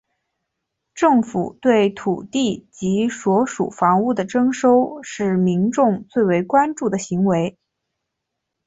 政府对土地及所属房屋的征收是民众最为关注的行为。